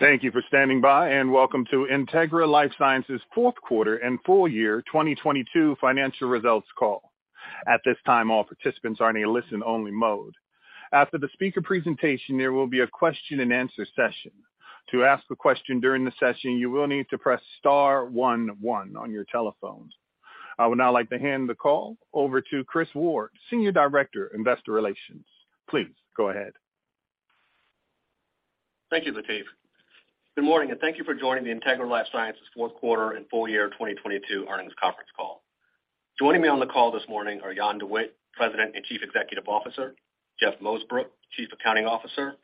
Thank you for standing by, and welcome to Integra LifeSciences' Fourth Quarter and Full Year 2022 Financial Results Call. At this time, all participants are in a listen-only mode. After the speaker presentation, there will be a question-and-answer session. To ask a question during the session, you will need to press star one one on your telephones. I would now like to hand the call over to Chris Ward, Senior Director, Investor Relations. Please go ahead. Thank you, Lateef. Good morning. Thank you for joining the Integra LifeSciences fourth quarter and full year 2022 earnings conference call. Joining me on the call this morning are Jan De Witte, President and Chief Executive Officer, Jeffrey Mosebrook, Chief Accounting Officer,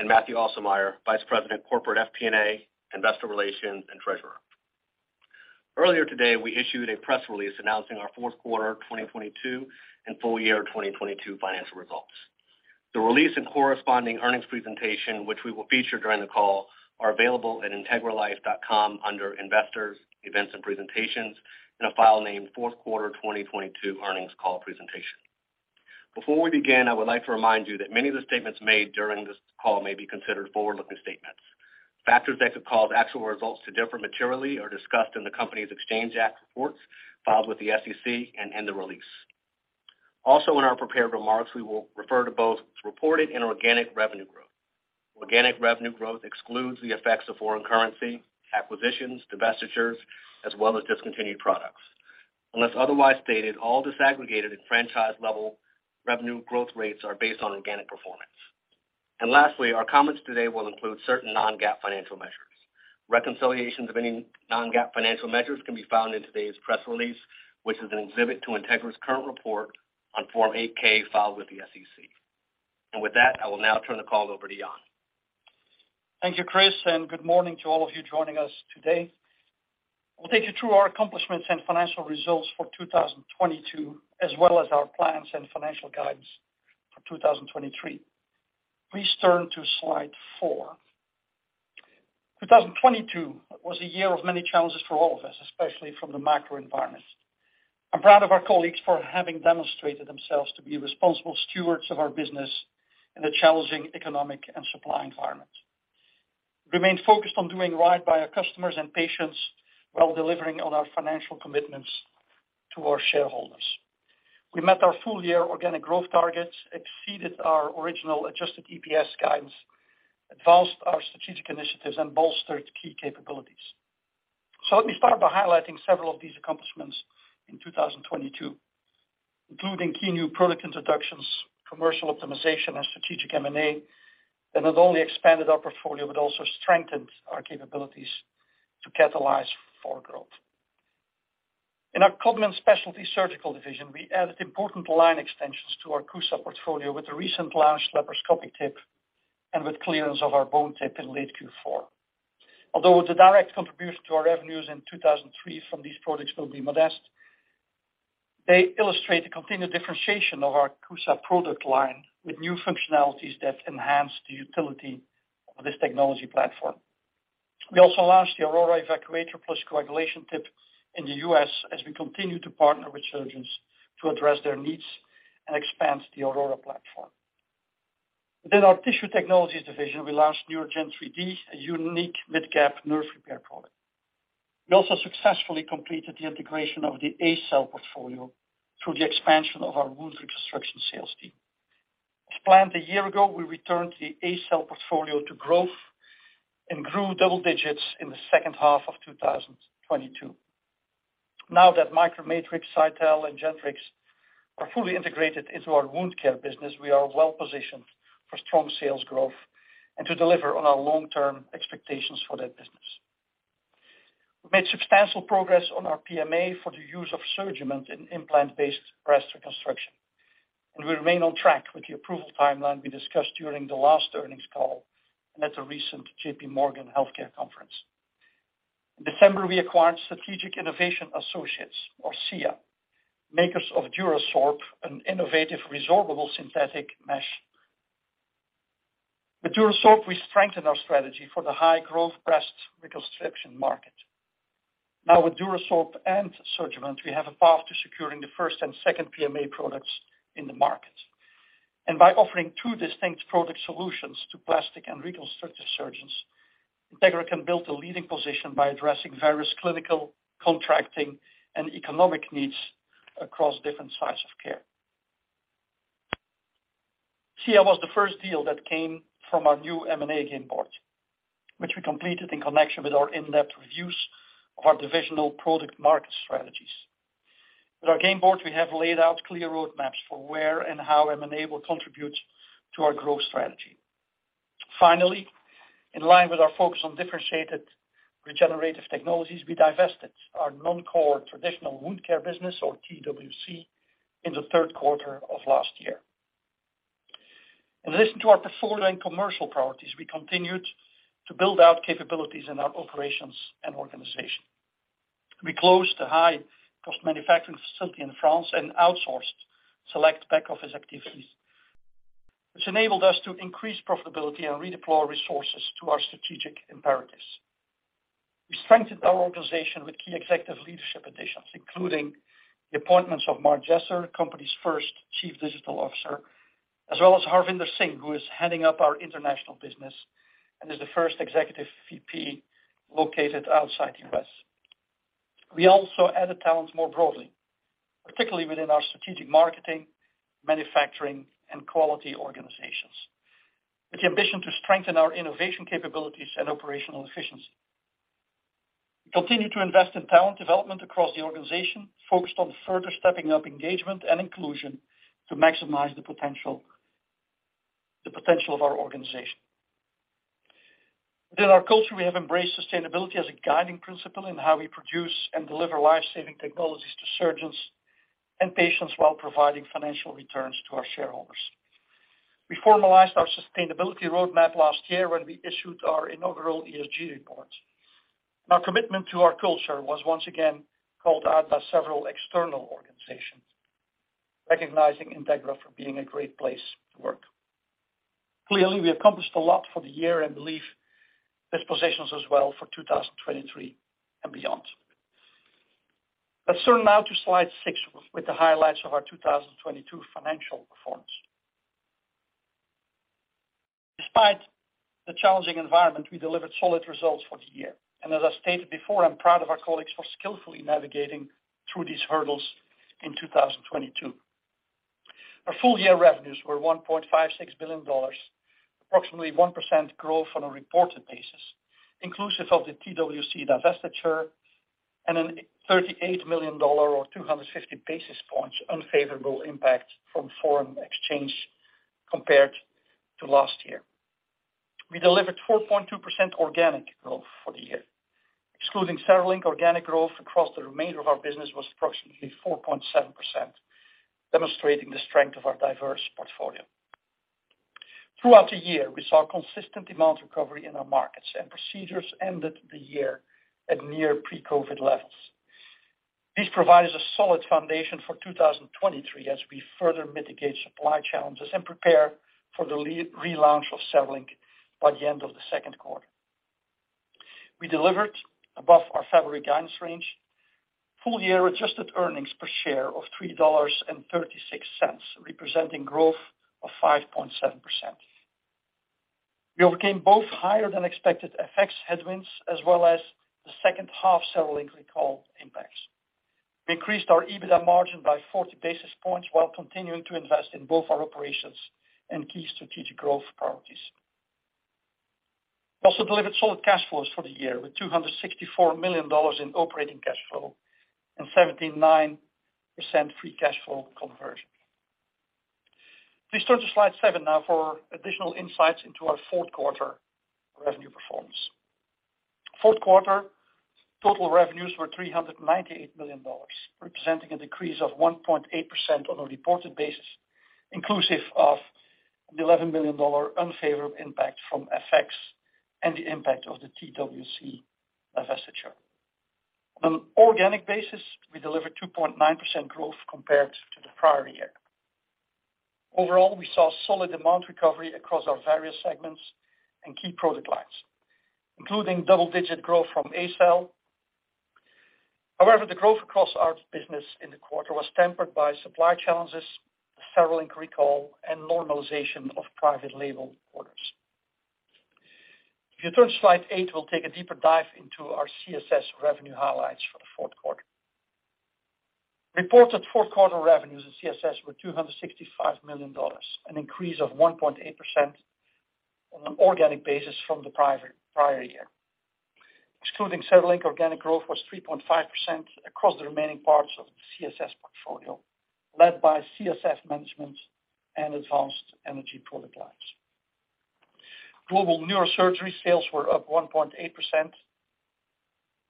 and Mathieu P. Aussermeier, Vice President, Corporate FP&A, Investor Relations, and Treasurer. Earlier today, we issued a press release announcing our fourth quarter 2022 and full year 2022 financial results. The release and corresponding earnings presentation, which we will feature during the call, are available at integralifesciences.com under Investors, Events and Presentations in a file named Fourth Quarter 2022 Earnings Call Presentation. Before we begin, I would like to remind you that many of the statements made during this call may be considered forward-looking statements. Factors that could cause actual results to differ materially are discussed in the company's Exchange Act reports filed with the SEC and in the release. In our prepared remarks, we will refer to both reported and organic revenue growth. Organic revenue growth excludes the effects of foreign currency, acquisitions, divestitures, as well as discontinued products. Unless otherwise stated, all disaggregated and franchise-level revenue growth rates are based on organic performance. Lastly, our comments today will include certain non-GAAP financial measures. Reconciliations of any non-GAAP financial measures can be found in today's press release, which is an exhibit to Integra's current report on Form 8-K filed with the SEC. With that, I will now turn the call over to Jan. Thank you, Chris, and good morning to all of you joining us today. We'll take you through our accomplishments and financial results for 2022, as well as our plans and financial guidance for 2023. Please turn to slide four. 2022 was a year of many challenges for all of us, especially from the macro environment. I'm proud of our colleagues for having demonstrated themselves to be responsible stewards of our business in a challenging economic and supply environment. Remain focused on doing right by our customers and patients while delivering on our financial commitments to our shareholders. We met our full-year organic growth targets, exceeded our original adjusted EPS guidance, advanced our strategic initiatives, and bolstered key capabilities. Let me start by highlighting several of these accomplishments in 2022, including key new product introductions, commercial optimization, and strategic M&A that not only expanded our portfolio, but also strengthened our capabilities to catalyze for growth. In our Codman Specialty Surgical Division, we added important line extensions to our CUSA portfolio with the recent launch laparoscopic tip and with clearance of our bone tip in late Q4. Although the direct contribution to our revenues in 2003 from these products will be modest, they illustrate the continued differentiation of our CUSA product line with new functionalities that enhance the utility of this technology platform. We also launched the AURORA Evacuator plus Coagulation tip in the U.S. as we continue to partner with surgeons to address their needs and expands the Aurora platform. Within our Tissue Technologies division, we launched NeuraGen 3D, a unique mid-gap nerve repair product. We also successfully completed the integration of the ACell portfolio through the expansion of our wound reconstruction sales team. As planned a year ago, we returned the ACell portfolio to growth and grew double digits in the second half of 2022. Now that MicroMatrix, Cytal, and Gentrix are fully integrated into our wound care business, we are well-positioned for strong sales growth and to deliver on our long-term expectations for that business. We made substantial progress on our PMA for the use of SurgiMend in implant-based breast reconstruction, and we remain on track with the approval timeline we discussed during the last earnings call and at a recent J.P. Morgan Healthcare Conference. In December, we acquired Surgical Innovation Associates, or SIA, makers of DuraSorb, an innovative resorbable synthetic mesh. With DuraSorb, we strengthen our strategy for the high-growth breast reconstruction market. Now with DuraSorb and SurgiMend, we have a path to securing the first and second PMA products in the market. By offering two distinct product solutions to plastic and reconstructive surgeons, Integra can build a leading position by addressing various clinical, contracting, and economic needs across different sides of care. SIA was the first deal that came from our new M&A game board, which we completed in connection with our in-depth reviews of our divisional product market strategies. With our game board, we have laid out clear roadmaps for where and how M&A will contribute to our growth strategy. In line with our focus on differentiated regenerative technologies, we divested our non-core Traditional Wound Care business or TWC, in the third quarter of last year. In addition to our performance commercial priorities, we continued to build out capabilities in our operations and organization. We closed the high cost manufacturing facility in France and outsourced select back-office activities, which enabled us to increase profitability and redeploy resources to our strategic imperatives. We strengthened our organization with key executive leadership additions, including the appointments of Mark Jesser, company's first chief digital officer, as well as Harvinder Singh, who is heading up our international business and is the first executive VP located outside the U.S. We also added talent more broadly, particularly within our strategic marketing, manufacturing, and quality organizations with the ambition to strengthen our innovation capabilities and operational efficiency. We continue to invest in talent development across the organization, focused on further stepping up engagement and inclusion to maximize the potential of our organization. Within our culture, we have embraced sustainability as a guiding principle in how we produce and deliver life-saving technologies to surgeons and patients while providing financial returns to our shareholders. We formalized our sustainability roadmap last year when we issued our inaugural ESG report. Our commitment to our culture was once again called out by several external organizations, recognizing Integra for being a great place to work. Clearly, we accomplished a lot for the year and believe this positions us well for 2023 and beyond. Let's turn now to slide six with the highlights of our 2022 financial performance. Despite the challenging environment, we delivered solid results for the year. As I stated before, I'm proud of our colleagues for skillfully navigating through these hurdles in 2022. Our full-year revenues were $1.56 billion, approximately 1% growth on a reported basis, inclusive of the TWC divestiture and a $38 million or 250 basis points unfavorable impact from foreign exchange compared to last year. We delivered 4.2% organic growth for the year. Excluding SteriLink, organic growth across the remainder of our business was approximately 4.7%, demonstrating the strength of our diverse portfolio. Throughout the year, we saw consistent demand recovery in our markets and procedures ended the year at near pre-COVID levels. This provides a solid foundation for 2023 as we further mitigate supply challenges and prepare for the relaunch of SteriLink by the end of the second quarter. We delivered above our February guidance range, full-year adjusted earnings per share of $3.36, representing growth of 5.7%. We overcame both higher than expected FX headwinds as well as the second half SteriLink recall impacts. We increased our EBITDA margin by 40 basis points while continuing to invest in both our operations and key strategic growth priorities. Also delivered solid cash flows for the year with $264 million in operating cash flow and 79% free cash flow conversion. Please turn to slide seven now for additional insights into our fourth quarter revenue performance. Fourth quarter total revenues were $398 million, representing a decrease of 1.8% on a reported basis, inclusive of the $11 million unfavorable impact from FX and the impact of the TWC divestiture. On an organic basis, we delivered 2.9% growth compared to the prior year. Overall, we saw solid demand recovery across our various segments and key product lines, including double-digit growth from ACell. The growth across our business in the quarter was tempered by supply challenges, the SteriLink recall, and normalization of private label orders. If you turn to slide eight, we'll take a deeper dive into our CSS revenue highlights for the fourth quarter. Reported fourth quarter revenues in CSS were $265 million, an increase of 1.8% on an organic basis from the prior year. Excluding SteriLink, organic growth was 3.5% across the remaining parts of the CSS portfolio, led by CSS management and advanced energy product lines. Global neurosurgery sales were up 1.8%.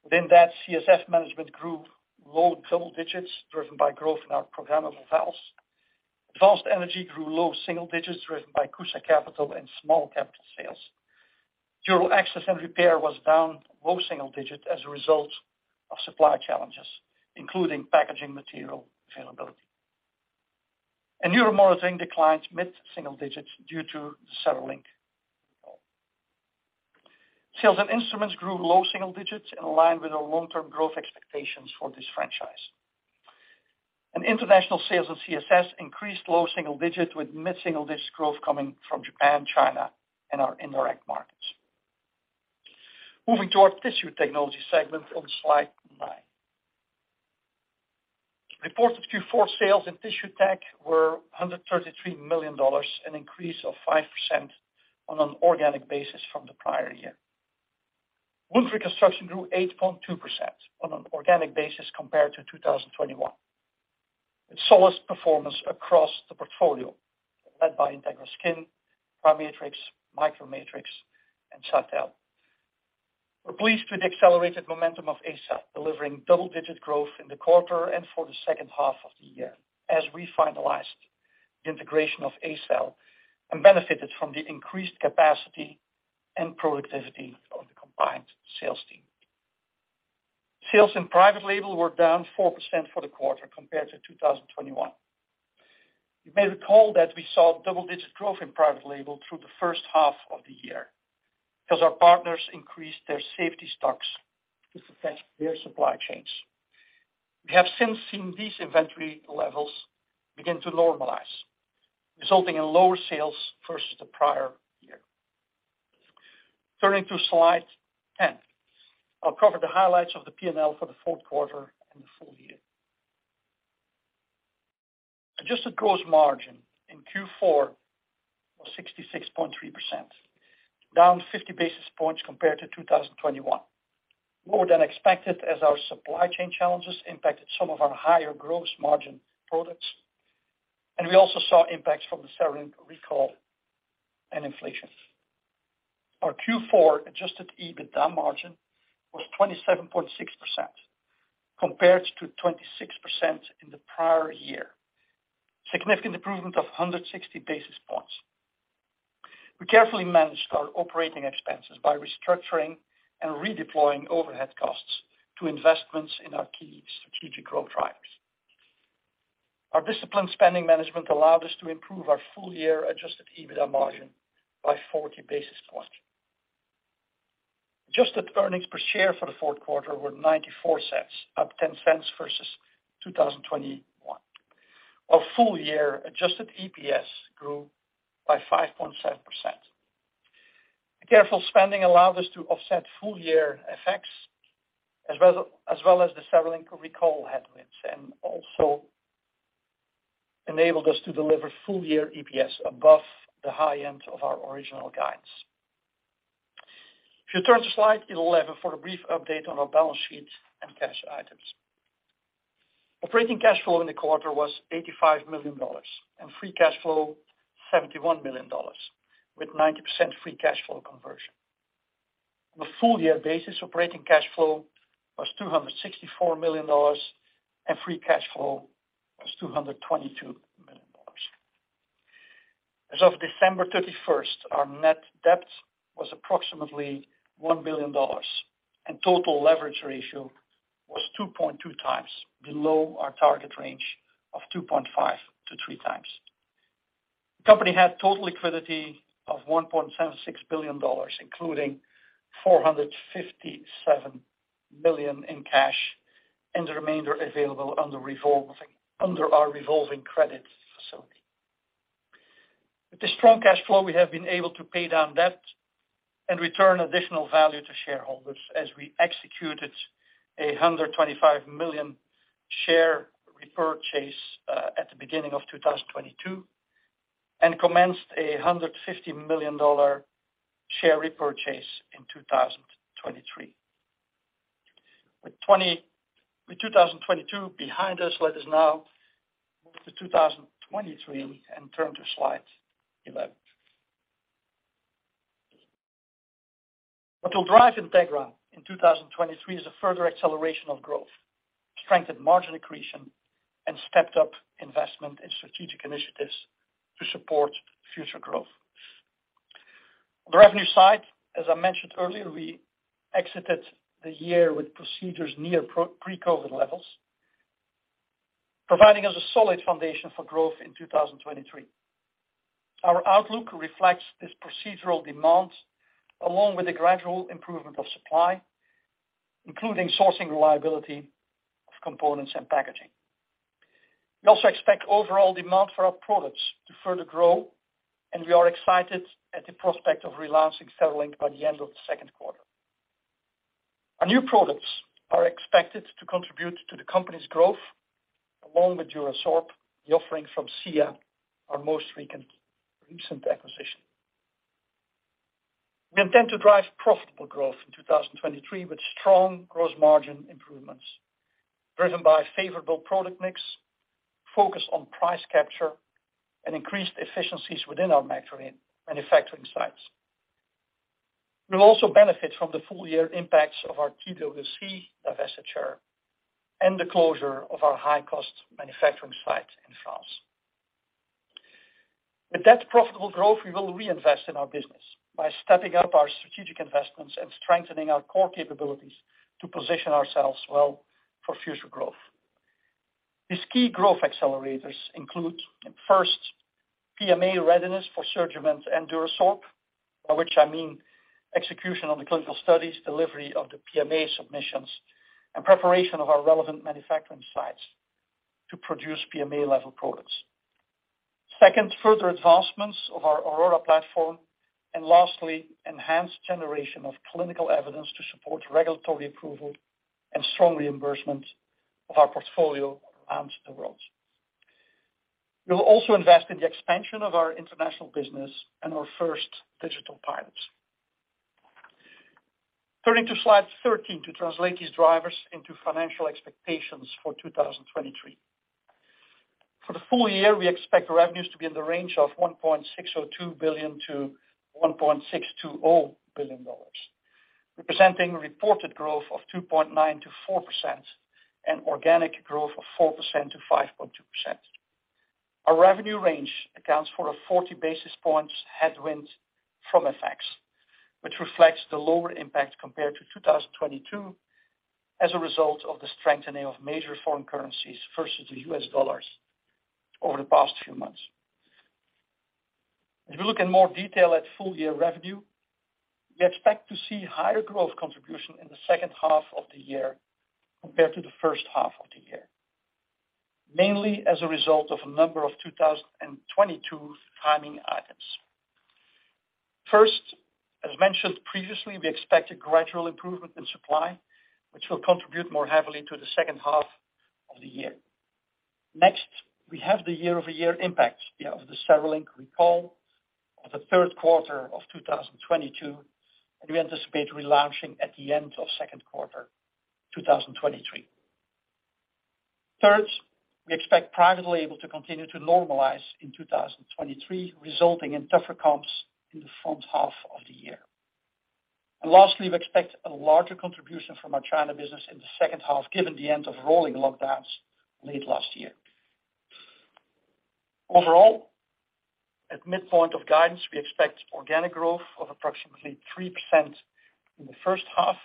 Within that CSS management group, low double digits driven by growth in our programmable valves. Advanced energy grew low single digits driven by CUSA Capital and small capital sales. Dural access and repair was down low single digits as a result of supply challenges, including packaging material availability. Neuro monitoring declined mid-single digits due to the SteriLink recall. Sales and instruments grew low single digits in line with our long-term growth expectations for this franchise. International sales of CSS increased low single digits with mid-single digits growth coming from Japan, China, and our indirect markets. Moving to our tissue technology segment on slide nine. Reported Q4 sales in tissue tech were $133 million, an increase of 5% on an organic basis from the prior year. Wound reconstruction grew 8.2% on an organic basis compared to 2021. Its solid performance across the portfolio led by Integra Skin, PriMatrix, MicroMatrix, and SUTEL. We're pleased with the accelerated momentum of ACell, delivering double-digit growth in the quarter and for the second half of the year as we finalized the integration of ACell and benefited from the increased capacity and productivity of the combined sales team. Sales in private label were down 4% for the quarter compared to 2021. You may recall that we saw double-digit growth in private label through the first half of the year because our partners increased their safety stocks to protect their supply chains. We have since seen these inventory levels begin to normalize, resulting in lower sales versus the prior year. Turning to slide 10, I'll cover the highlights of the P&L for the fourth quarter and the full year. Adjusted gross margin in Q4 was 66.3%, down 50 basis points compared to 2021. More than expected as our supply chain challenges impacted some of our higher gross margin products, and we also saw impacts from the CereLink recall and inflation. Our Q4 adjusted EBITDA margin was 27.6% compared to 26% in the prior year. Significant improvement of 160 basis points. We carefully managed our operating expenses by restructuring and redeploying overhead costs to investments in our key strategic growth drivers. Our disciplined spending management allowed us to improve our full year adjusted EBITDA margin by 40 basis points. Adjusted earnings per share for the fourth quarter were $0.94, up $0.10 versus 2021. Our full year adjusted EPS grew by 5.7%. Careful spending allowed us to offset full year effects as well as the several recall headwinds, and also enabled us to deliver full year EPS above the high end of our original guides. If you turn to slide 11 for a brief update on our balance sheet and cash items. Operating cash flow in the quarter was $85 million, and free cash flow $71 million, with 90% free cash flow conversion. On a full year basis, operating cash flow was $264 million, and free cash flow was $222 million. As of December 31st, our net debt was approximately $1 billion, and total leverage ratio was 2.2x below our target range of 2.5-3x. The company had total liquidity of $1.76 billion, including $457 million in cash, and the remainder available under our revolving credit facility. With the strong cash flow, we have been able to pay down debt and return additional value to shareholders as we executed a $125 million share repurchase at the beginning of 2022, and commenced a $150 million share repurchase in 2023. With 2022 behind us, let us now move to 2023 and turn to slide 11. What will drive Integra in 2023 is a further acceleration of growth, strengthened margin accretion, and stepped-up investment in strategic initiatives to support future growth. On the revenue side, as I mentioned earlier, we exited the year with procedures near pre-COVID levels, providing us a solid foundation for growth in 2023. Our outlook reflects this procedural demand, along with the gradual improvement of supply, including sourcing reliability of components and packaging. We also expect overall demand for our products to further grow, and we are excited at the prospect of relaunching CereLink by the end of the second quarter. Our new products are expected to contribute to the company's growth, along with DuraSorb, the offerings from SIA, our most recent acquisition. We intend to drive profitable growth in 2023 with strong gross margin improvements driven by favorable product mix, focus on price capture, and increased efficiencies within our manufacturing sites. We'll also benefit from the full-year impacts of our TWC divestiture and the closure of our high-cost manufacturing site in France. With that profitable growth, we will reinvest in our business by stepping up our strategic investments and strengthening our core capabilities to position ourselves well for future growth. These key growth accelerators include, first, PMA readiness for SurgiMend and DuraSorb, by which I mean execution on the clinical studies, delivery of the PMA submissions, and preparation of our relevant manufacturing sites to produce PMA-level products. Second, further advancements of our Aurora platform, and lastly, enhanced generation of clinical evidence to support regulatory approval and strong reimbursement of our portfolio around the world. We will also invest in the expansion of our international business and our first digital pilots. Turning to slide 13 to translate these drivers into financial expectations for 2023. For the full year, we expect revenues to be in the range of $1.602 billion-$1.620 billion, representing reported growth of 2.9%-4% and organic growth of 4%-5.2%. Our revenue range accounts for a 40 basis points headwind from effects, which reflects the lower impact compared to 2022. As a result of the strengthening of major foreign currencies versus the U.S. dollars over the past few months. If you look in more detail at full year revenue, we expect to see higher growth contribution in the second half of the year compared to the first half of the year, mainly as a result of a number of 2022 timing items. First, as mentioned previously, we expect a gradual improvement in supply, which will contribute more heavily to the second half of the year. Next, we have the year-over-year impact of the SteriLink recall of the third quarter of 2022, and we anticipate relaunching at the end of second quarter 2023. Third, we expect private label to continue to normalize in 2023, resulting in tougher comps in the front half of the year. Lastly, we expect a larger contribution from our China business in the second half, given the end of rolling lockdowns late last year. Overall, at midpoint of guidance, we expect organic growth of approximately 3% in the first half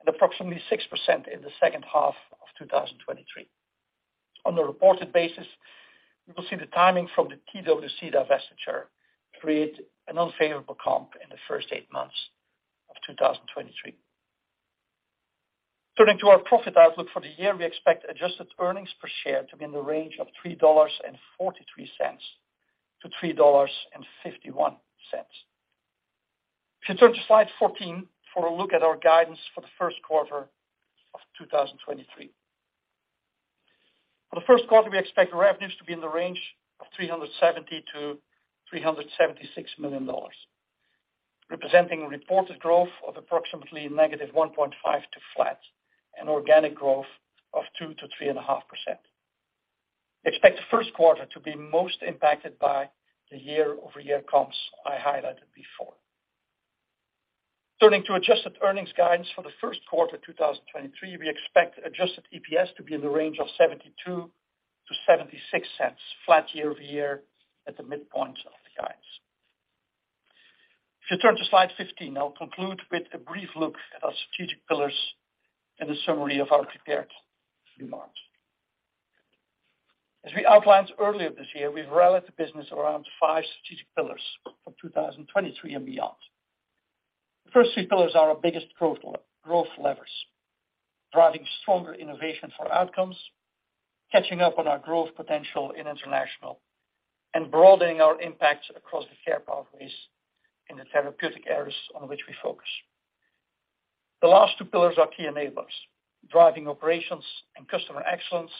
and approximately 6% in the second half of 2023.On a reported basis, we will see the timing from the TWC divestiture create an unfavorable comp in the first eight months of 2023. Turning to our profit outlook for the year, we expect adjusted earnings per share to be in the range of $3.43 to $3.51. You turn to slide 14 for a look at our guidance for the first quarter of 2023. For the first quarter, we expect revenues to be in the range of $370 million-$376 million, representing reported growth of approximately -1.5% to flat, and organic growth of 2% to 3.5%. Expect the first quarter to be most impacted by the year-over-year comps I highlighted before. Turning to adjusted earnings guidance for the first quarter 2023, we expect adjusted EPS to be in the range of $0.72-$0.76, flat year-over-year at the midpoint of the guidance. If you turn to slide 15, I'll conclude with a brief look at our strategic pillars and a summary of our prepared remarks. As we outlined earlier this year, we've rallied the business around five strategic pillars for 2023 and beyond. The first three pillars are our biggest growth levers, driving stronger innovation for outcomes, catching up on our growth potential in international, and broadening our impact across the care pathways in the therapeutic areas on which we focus. The last two pillars are key enablers, driving operations and customer excellence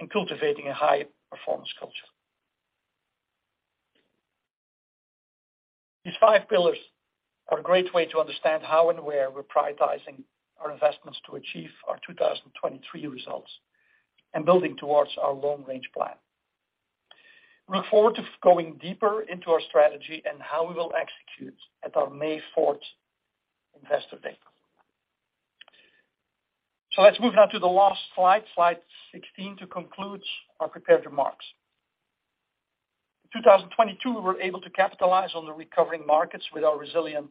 and cultivating a high-performance culture. These five pillars are a great way to understand how and where we're prioritizing our investments to achieve our 2023 results and building towards our long-range plan. We look forward to going deeper into our strategy and how we will execute at our May 4rth, Investor Day. Let's move now to the last slide 16, to conclude our prepared remarks. In 2022, we were able to capitalize on the recovering markets with our resilient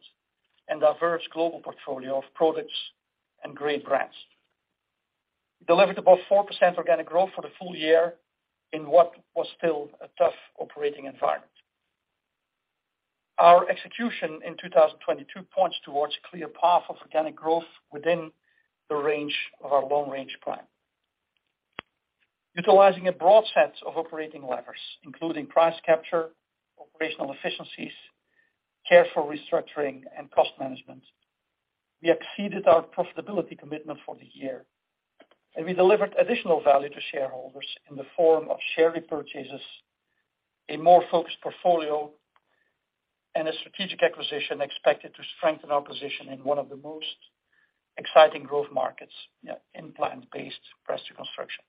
and diverse global portfolio of products and great brands. We delivered above 4% organic growth for the full year in what was still a tough operating environment. Our execution in 2022 points towards clear path of organic growth within the range of our long-range plan. Utilizing a broad set of operating levers, including price capture, operational efficiencies, careful restructuring, and cost management, we exceeded our profitability commitment for the year, and we delivered additional value to shareholders in the form of share repurchases, a more focused portfolio, and a strategic acquisition expected to strengthen our position in one of the most exciting growth markets in implant-based breast reconstruction.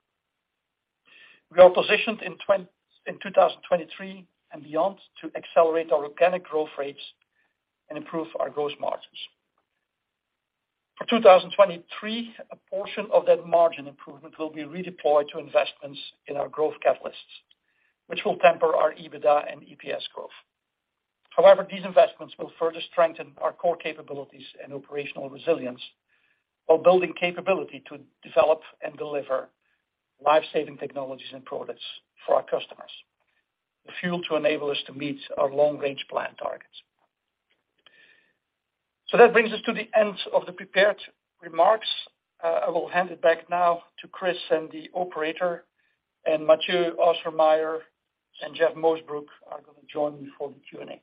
We are positioned in 2023 and beyond to accelerate our organic growth rates and improve our gross margins. For 2023, a portion of that margin improvement will be redeployed to investments in our growth catalysts, which will temper our EBITDA and EPS growth. However, these investments will further strengthen our core capabilities and operational resilience while building capability to develop and deliver life-saving technologies and products for our customers, the fuel to enable us to meet our long-range plan targets. That brings us to the end of the prepared remarks. I will hand it back now to Chris and the operator, and Matthieu Aussermeier and Jeff Mosebrook are gonna join me for the Q and A.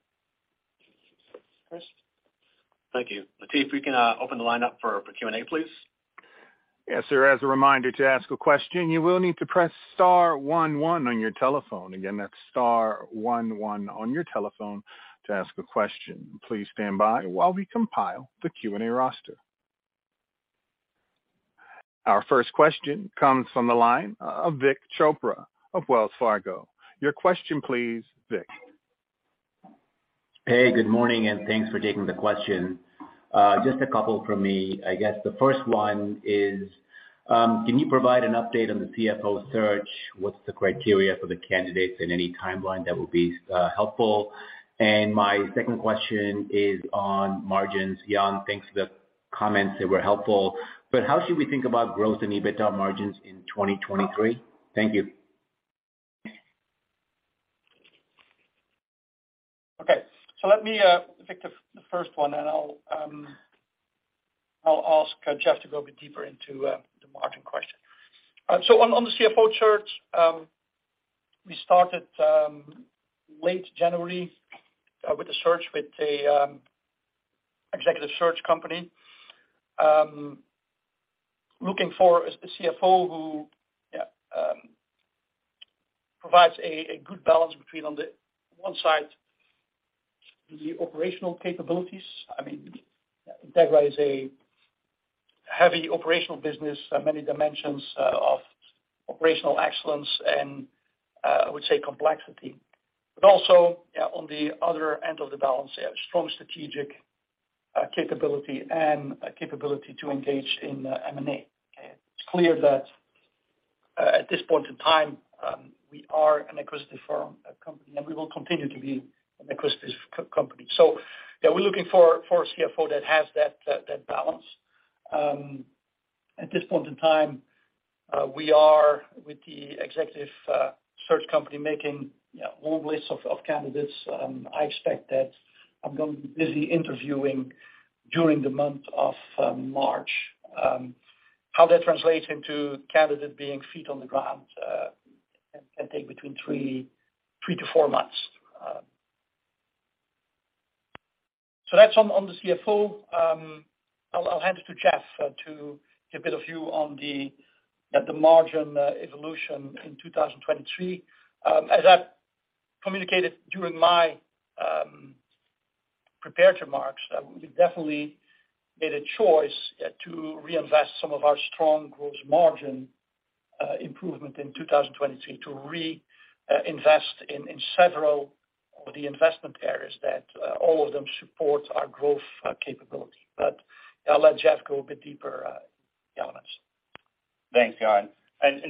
Chris? Thank you. Latif, we can open the line up for Q and A, please. Yes, sir. As a reminder to ask a question, you will need to press star one one on your telephone. Again, that's star one one on your telephone to ask a question. Please stand by while we compile the Q and A roster. Our first question comes from the line of Vik Chopra of Wells Fargo. Your question, please, Vik. Hey, good morning. Thanks for taking the question. Just a couple from me. I guess the first one is Can you provide an update on the CFO search? What's the criteria for the candidates and any timeline that would be helpful. My second question is on margins. Jan, thanks for the comments that were helpful. How should we think about growth and EBITA margins in 2023? Thank you. Okay. Let me take the first one, and I'll ask Jeff to go a bit deeper into the margin question. On the CFO search, we started late January with the search with an executive search company looking for a CFO who, yeah, provides a good balance between on the one side, the operational capabilities. I mean, Integra is a heavy operational business, many dimensions of operational excellence and I would say complexity. Also, yeah, on the other end of the balance, a strong strategic capability and a capability to engage in M&A. It's clear that at this point in time, we are an acquisition firm company, and we will continue to be an acquisition company. Yeah, we're looking for a CFO that has that balance. At this point in time, we are with the executive search company making, yeah, long lists of candidates. I expect that I'm gonna be busy interviewing during the month of March. How that translates into candidate being feet on the ground, can take between three to four months. That's on the CFO. I'll hand it to Jeff to give a bit of view at the margin evolution in 2023. As I communicated during my prepared remarks, we definitely made a choice to reinvest some of our strong gross margin improvement in 2023 to reinvest in several of the investment areas that all of them support our growth capability. I'll let Jeff go a bit deeper the elements. Thanks, Jan.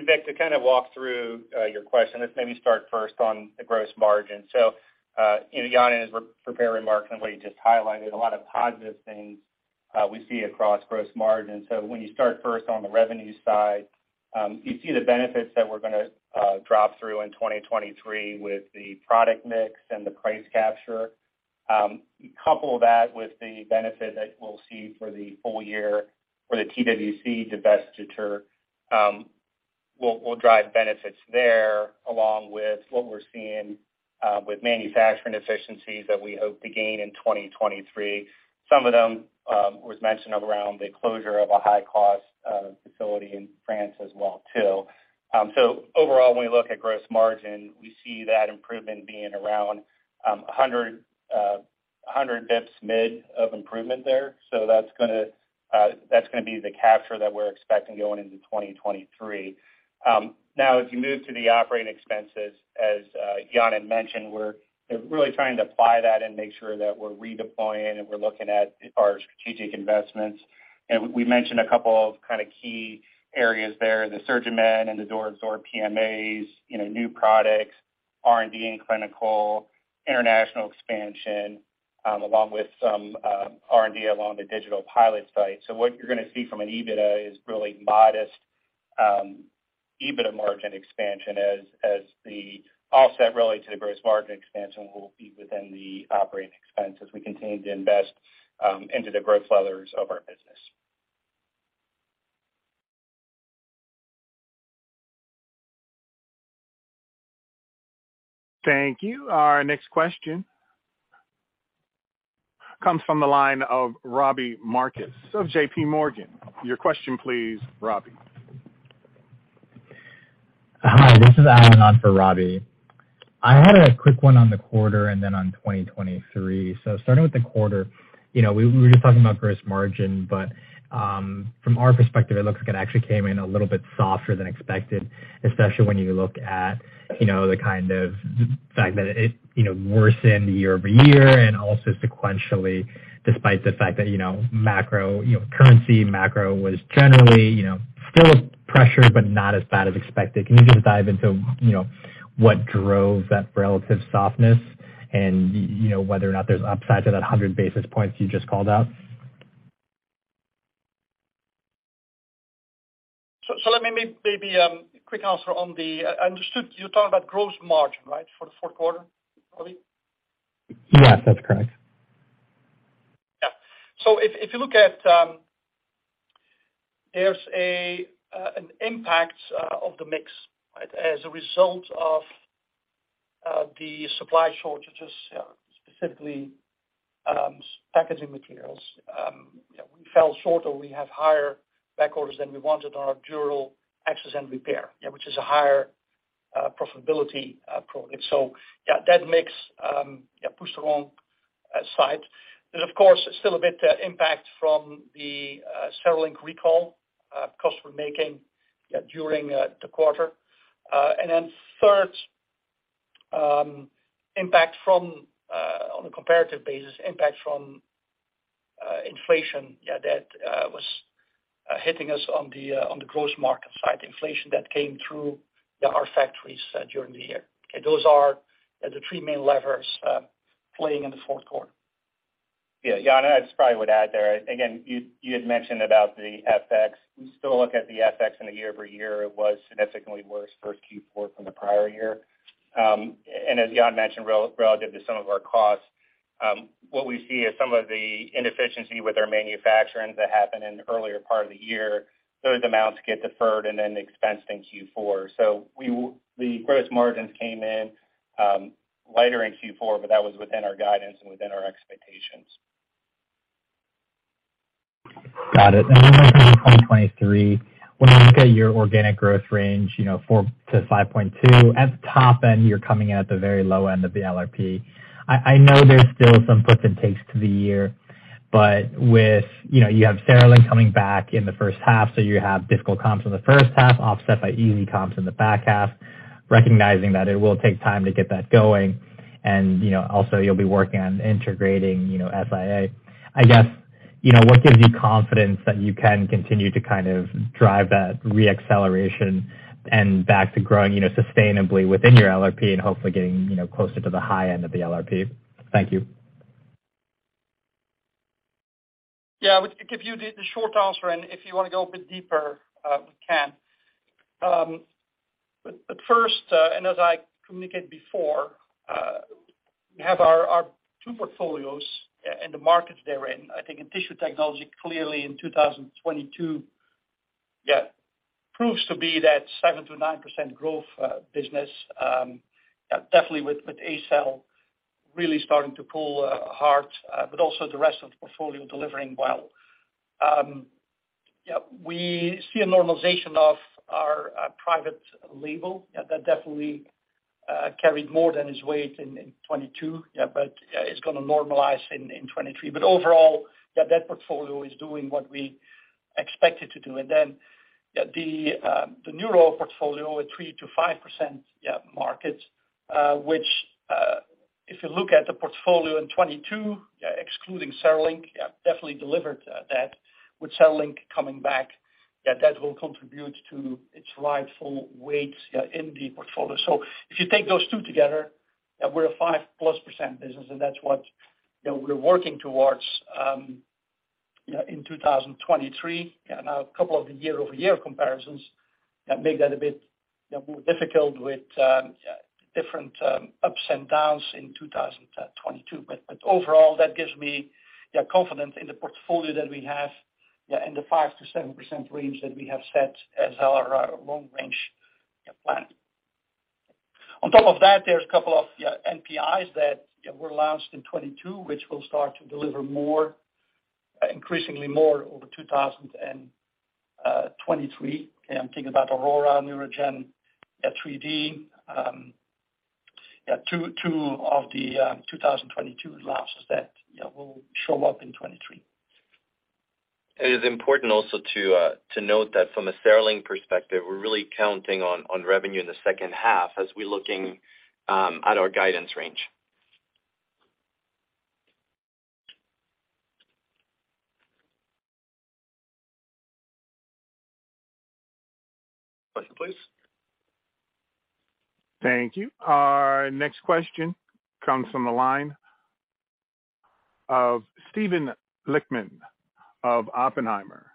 Vic, to kind of walk through your question, let's maybe start first on the gross margin. You know, Jan, in his pre-prepared remarks and what he just highlighted, a lot of positive things, we see across gross margin. When you start first on the revenue side, you see the benefits that we're gonna drop through in 2023 with the product mix and the price capture. Couple that with the benefit that we'll see for the full year for the TWC divestiture, we'll drive benefits there along with what we're seeing with manufacturing efficiencies that we hope to gain in 2023. Some of them, was mentioned around the closure of a high-cost facility in France as well too. Overall, when we look at gross margin, we see that improvement being around 100 basis points mid of improvement there. That's gonna be the capture that we're expecting going into 2023. As you move to the operating expenses, as Jan had mentioned, we're really trying to apply that and make sure that we're redeploying and we're looking at our strategic investments. We mentioned a couple of kind of key areas there, the SurgiMend and the DuraSorb PMAs, you know, new products, R&D and clinical, international expansion, along with some R&D along the digital pilot site. What you're gonna see from an EBITA is really modest, EBITA margin expansion as the offset really to the gross margin expansion will be within the operating expense as we continue to invest into the growth levers of our business. Thank you. Our next question comes from the line of Robbie Marcus of J.P. Morgan. Your question, please, Robbie. Hi, this is Alan on for Robbie. I had a quick one on the quarter and then on 2023. Starting with the quarter, you know, we were just talking about gross margin, but from our perspective, it looks like it actually came in a little bit softer than expected, especially when you look at, you know, the kind of fact that it, you know, worsened year-over-year and also sequentially, despite the fact that, you know, macro, you know, currency macro was generally, you know, still pressured, but not as bad as expected. Can you just dive into, you know, what drove that relative softness and, you know, whether or not there's upside to that 100 basis points you just called out? I understood you're talking about gross margin, right? For the fourth quarter, Robbie? Yes, that's correct. Yeah. If you look at, there's an impact of the mix, right? As a result of the supply shortages, specifically, packaging materials, we fell short or we have higher backorders than we wanted on our durable access and repair, which is a higher profitability product. That mix pushed the wrong side. There's of course still a bit impact from the SteriLink recall cost we're making during the quarter. Third, impact from, on a comparative basis, impact from inflation that was hitting us on the gross market side, inflation that came through our factories during the year. Okay. Those are the three main levers playing in the fourth quarter. Yeah. Jan, I just probably would add there, again, you had mentioned about the FX. We still look at the FX in a year-over-year. It was significantly worse first Q4 from the prior year. As Jan mentioned, relative to some of our costs, what we see is some of the inefficiency with our manufacturing that happened in the earlier part of the year, those amounts get deferred and then expensed in Q4. The gross margins came in lighter in Q4, but that was within our guidance and within our expectations. Got it. Looking to 2023, when you look at your organic growth range, you know, 4%-5.2%, at the top end, you're coming at the very low end of the LRP. I know there's still some puts and takes to the year, with, you know, you have CereLink coming back in the first half, so you have difficult comps in the first half offset by easy comps in the back half, recognizing that it will take time to get that going. Also, you'll be working on integrating, you know, SIA. I guess, you know, what gives you confidence that you can continue to kind of drive that re-acceleration and back to growing, you know, sustainably within your LRP and hopefully getting, you know, closer to the high end of the LRP? Thank you. Yeah. I would give you the short answer, and if you want to go a bit deeper, we can. First, and as I communicate before, we have our two portfolios and the markets they're in. I think in tissue technology, clearly in 2022, proves to be that 7%-9% growth business, definitely with ACell really starting to pull hard, but also the rest of the portfolio delivering well. We see a normalization of our private label. That definitely carried more than its weight in 2022, but it's going to normalize in 2023. Overall, that portfolio is doing what we expect it to do. The neuro portfolio at 3%-5% market, which, if you look at the portfolio in 2022, excluding Sterling, definitely delivered that. With Sterling coming back, that will contribute to its rightful weight in the portfolio. If you take those two together, we're a 5%+ business, and that's what, you know, we're working towards in 2023. A couple of the year-over-year comparisons make that a bit more difficult with different ups and downs in 2022. That gives me confidence in the portfolio that we have in the 5%-7% range that we have set as our long range plan. On top of that, there's a couple of NPIs that were launched in 2022, which will start to deliver more, increasingly more over 2023. I'm thinking about Aurora, NeuraGen 3D, two of the 2022 launches that will show up in 2023. It is important also to note that from a Sterling perspective, we're really counting on revenue in the second half as we're looking at our guidance range. Next please. Thank you. Our next question comes from the line of Steven Lichtman of Oppenheimer.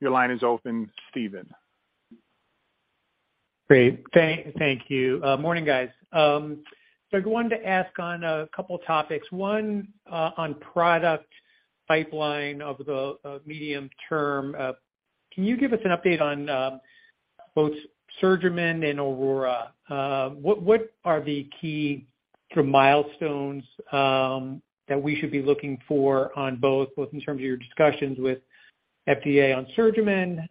Your line is open, Steven. Great. Thank you. Morning, guys. I wanted to ask on a couple topics. One, on product pipeline of the medium term. Can you give us an update on both SurgiMend and Aurora? What are the key sort of milestones that we should be looking for on both in terms of your discussions with FDA on SurgiMend,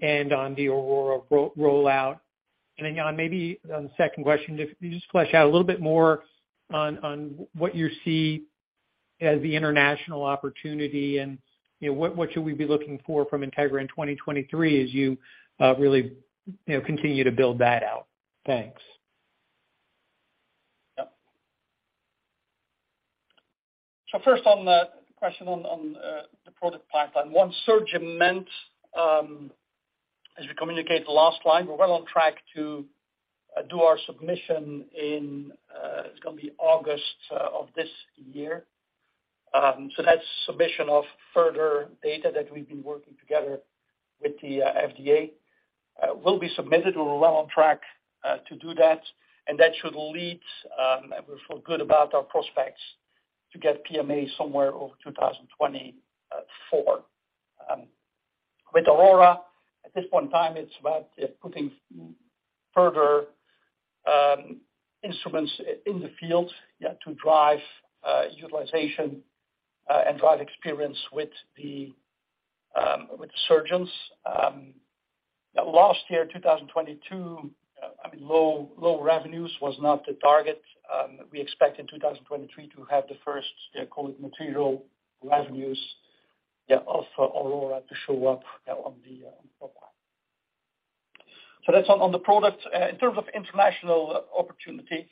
and on the Aurora rollout? Jan, maybe on the second question, if you just flesh out a little bit more on what you see as the international opportunity and, you know, what should we be looking for from Integra in 2023 as you really, you know, continue to build that out? Thanks. Yeah. First on the question on the product pipeline. One, SurgiMend, as we communicated last time, we're well on track to do our submission in, it's gonna be August of this year. That's submission of further data that we've been working together with the FDA will be submitted. We're well on track to do that, and that should lead, and we feel good about our prospects to get PMA somewhere over 2024. With Aurora, at this point in time, it's about putting further instruments in the field to drive utilization and drive experience with the surgeons. Last year, 2022, I mean, low revenues was not the target. We expect in 2023 to have the first, yeah, call it material revenues. Yeah, also Aurora to show up on the pipeline. That's on the products. In terms of international opportunity,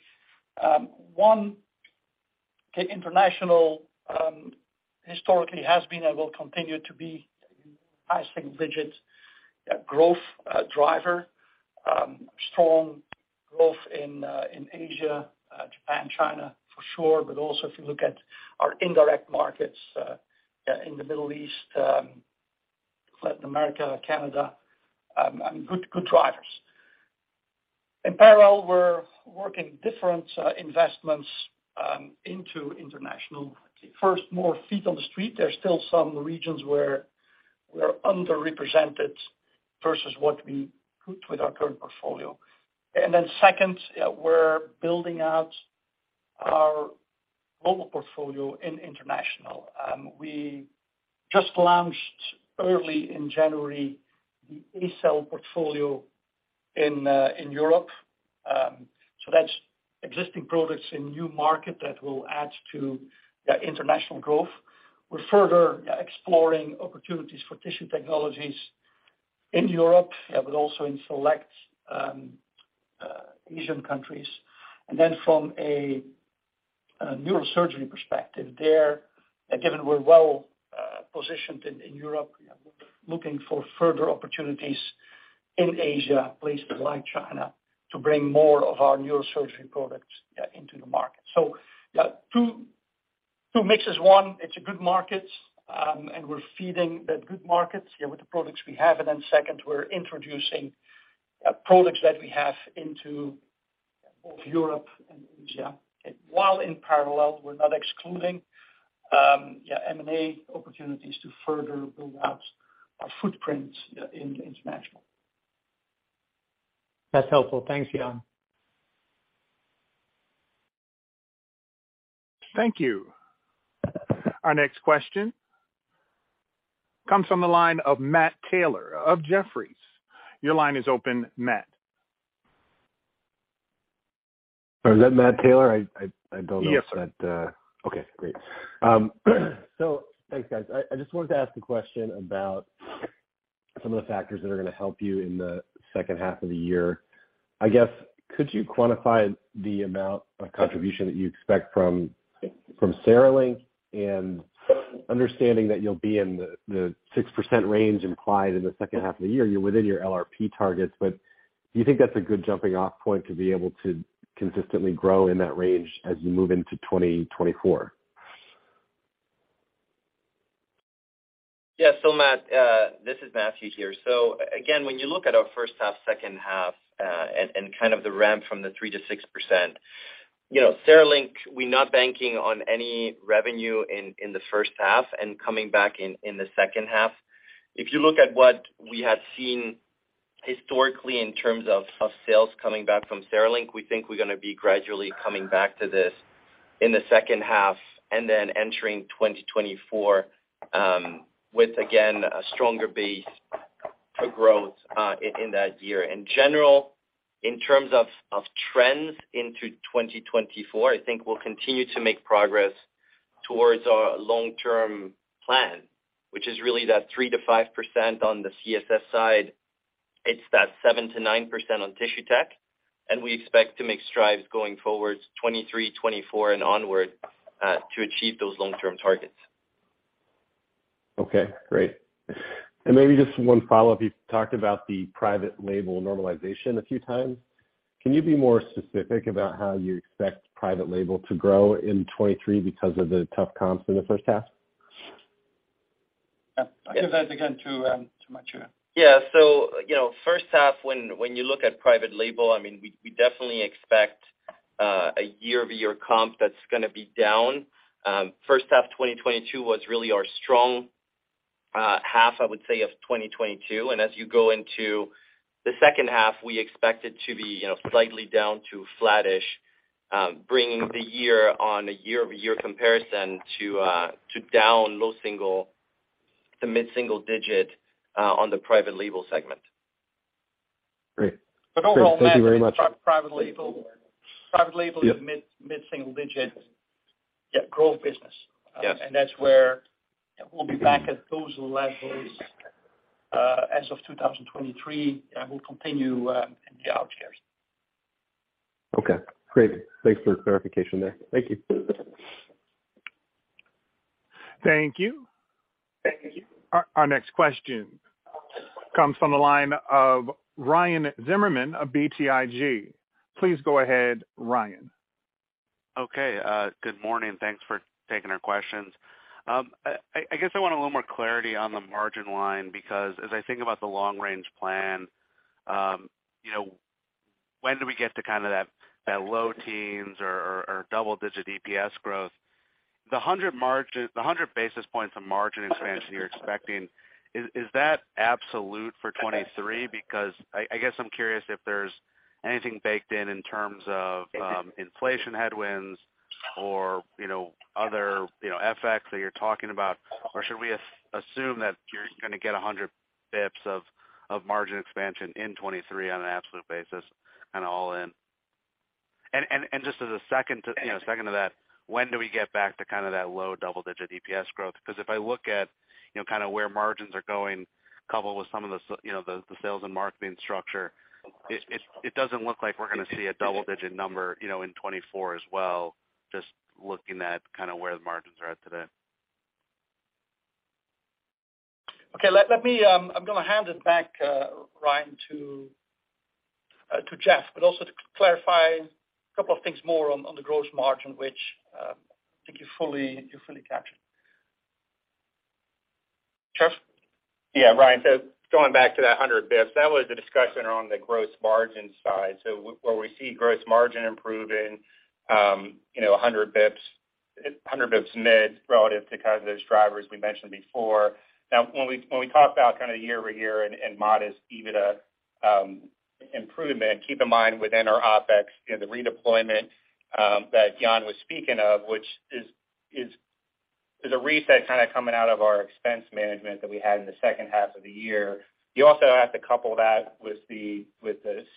one, the international historically has been and will continue to be high single digits growth driver, strong growth in Asia, Japan, China for sure. Also if you look at our indirect markets in the Middle East, Latin America, Canada, good drivers. In parallel, we're working different investments into international. First, more feet on the street. There are still some regions where we're underrepresented versus what we could with our current portfolio. Second, we're building out our global portfolio in international. We just launched early in January the ACell portfolio in Europe. That's existing products in new market that will add to the international growth. We're further exploring opportunities for tissue technologies in Europe, but also in select Asian countries. From a neurosurgery perspective there, given we're well positioned in Europe, looking for further opportunities in Asia, places like China, to bring more of our neurosurgery products, yeah, into the market. Two mixes. One, it's a good market, and we're feeding the good markets, yeah, with the products we have. Second, we're introducing products that we have into both Europe and Asia, while in parallel, we're not excluding, yeah, M&A opportunities to further build out our footprint international. That's helpful. Thanks, Jan. Thank you. Our next question comes from the line of Matthew Taylor of Jefferies. Your line is open, Matt. Is that Matthew Taylor? I don't know. Yes, sir. Okay, great. Thanks, guys. I just wanted to ask a question about some of the factors that are going to help you in the second half of the year. I guess, could you quantify the amount of contribution that you expect from CereLink? Understanding that you'll be in the 6% range implied in the second half of the year, you're within your LRP targets. Do you think that's a good jumping off point to be able to consistently grow in that range as you move into 2024? Yeah. Matt, this is Matthieu here. Again, when you look at our first half, second half, and kind of the ramp from the 3%-6%, you know, CereLink, we're not banking on any revenue in the first half and coming back in the second half. If you look at what we have seen historically in terms of sales coming back from CereLink, we think we're gonna be gradually coming back to this in the second half and then entering 2024, with, again, a stronger base for growth, in that year. In general, in terms of trends into 2024, I think we'll continue to make progress towards our long-term plan, which is really that 3%-5% on the CSS side. It's that 7%-9% on tissue tech, and we expect to make strides going forward 2023, 2024 and onward to achieve those long-term targets. Okay, great. Maybe just one follow-up. You talked about the private label normalization a few times. Can you be more specific about how you expect private label to grow in 23 because of the tough comps in the first half? Yeah. I'll give that again to Matthieu. Yeah. you know, first half when you look at private label, I mean, we definitely expect a year-over-year comp that's gonna be down. First half 2022 was really our strong half, I would say, of 2022. As you go into the second half, we expect it to be, you know, slightly down to flattish, bringing the year on a year-over-year comparison to down low single to mid-single digit on the private label segment. Great. overall, Matt- Thank you very much. Private label is mid-single digit, yeah, growth business. Yes. That's where we'll be back at those levels, as of 2023, and we'll continue in the out years. Okay, great. Thanks for the clarification there. Thank you. Thank you. Our next question comes from the line of Ryan Zimmerman of BTIG. Please go ahead, Ryan. Okay. Good morning. Thanks for taking our questions. I guess I want a little more clarity on the margin line, because as I think about the long range plan, you know, when do we get to kind of that low teens or double-digit EPS growth? The 100 basis points of margin expansion you're expecting, is that absolute for 23? I guess I'm curious if there's anything baked in in terms of inflation headwinds or, you know, other, you know, effects that you're talking about. Should we assume that you're gonna get 100 basis points of margin expansion in 23 on an absolute basis kind of all in? Just as a second to that, when do we get back to kind of that low double-digit EPS growth? If I look at, you know, kind of where margins are going, coupled with some of the you know, the sales and marketing structure, it doesn't look like we're gonna see a double-digit number, you know, in 2024 as well, just looking at kind of where the margins are at today. Let me I'm gonna hand it back Ryan to Jeff, but also to clarify a couple of things more on the gross margin, which I think you fully captured. Jeff? Yeah, Ryan. Going back to that 100 basis points, that was a discussion around the gross margin side. Where we see gross margin improving, you know, 100 basis points, 100 basis points mid relative to kind of those drivers we mentioned before. When we talk about kind of year-over-year and modest EBITDA improvement, keep in mind within our OpEx, you know, the redeployment that Jan was speaking of, which is a reset kind of coming out of our expense management that we had in the second half of the year. You also have to couple that with the